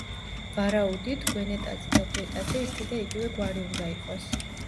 ვარაუდით, გვენეტაძე და გვეტაძე ერთი და იგივე გვარი უნდა იყოს.